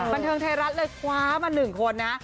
บันเทิงไทยรัฐเลยคว้ามา๑คนนะ